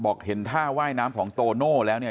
เห็นท่าว่ายน้ำของโตโน่แล้วเนี่ย